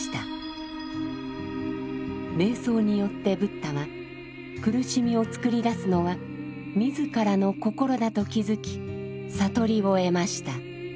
瞑想によってブッダは苦しみを作り出すのは自らの心だと気づき悟りを得ました。